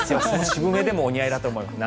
渋めでもお似合いだと思います。